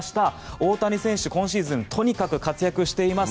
大谷選手、今シーズンとにかく活躍しています。